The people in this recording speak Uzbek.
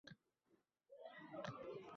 Bir o‘g‘li narkoman bo‘lib qoldi.